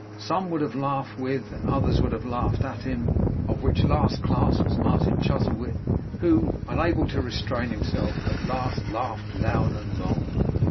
Some would have laughed with, and others would have laughed at him; of which last class was Martin Chuzzlewit, who, unable to restrain himself, at last laughed loud and long.